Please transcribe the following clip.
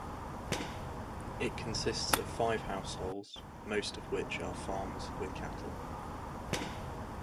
It consists of five households, most of which are farms with cattle.